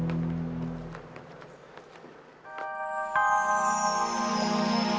masya allah masyim